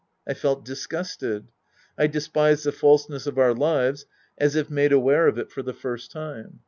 I felt disgusted. I despised the falseness of our lives as if made aware of it for the first time.